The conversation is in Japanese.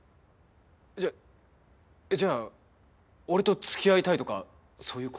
じゃじゃあ俺と付き合いたいとかそういう事は。